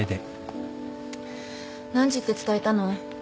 何時って伝えたの？